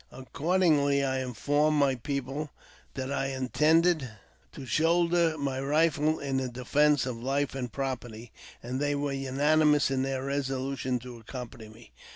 Accordingly, I informed my people that I intended to shoulder my rifle in the defence of life and property, and they were unanimous in their resolution to accompany me.